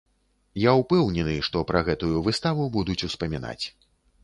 Я ўпэўнены, што пра гэтую выставу будуць успамінаць.